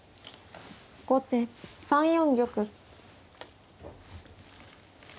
後手３四玉。